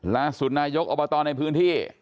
ล่าสุดนายกอบตในพื้นที่